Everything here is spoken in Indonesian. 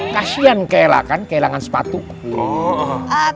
kasian kehilangan sepatuku